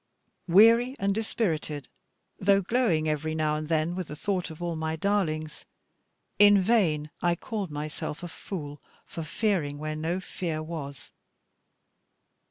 Weary and dispirited, though glowing every now and then with the thought of all my darlings, in vain I called myself a fool for fearing where no fear was.